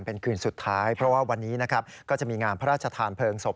เป็นคืนสุดท้ายเพราะว่าวันนี้นะครับก็จะมีงานพระราชทานเพลิงศพ